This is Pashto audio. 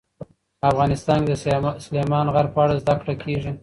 افغانستان کې د سلیمان غر په اړه زده کړه کېږي.